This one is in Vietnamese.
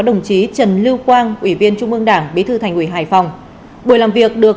đồng chí trần lưu quang ủy viên trung ương đảng bí thư thành ủy hải phòng buổi làm việc được